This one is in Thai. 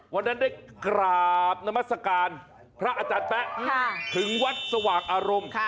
วันนั้นได้กราบนามัศกาลพระอาจารย์แป๊ะถึงวัดสว่างอารมณ์